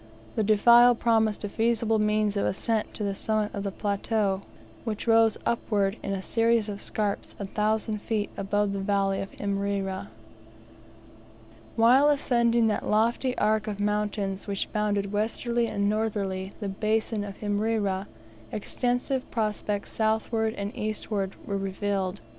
The defile promised a feasible means of ascent to the summit of the plateau, which rose upward in a series of scarps a thousand feet above the valley of Imrera. While ascending that lofty arc of mountains which bounded westerly and northerly the basin of Imrera, extensive prospects southward and eastward were revealed.